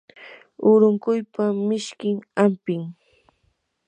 urunquypa mishkin hampim.